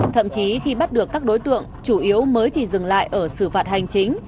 thậm chí khi bắt được các đối tượng chủ yếu mới chỉ dừng lại ở xử phạt hành chính